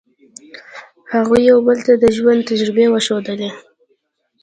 هغوی یو بل ته د ژوند تجربې وښودلې.